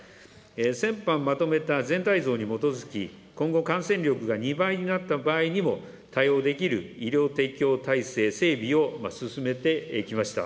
先般まとめた全体像に基づき、今後、感染力が２倍になった場合にも、対応できる医療提供体制整備を進めてきました。